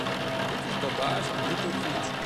Dit is barbaars en hypocriet.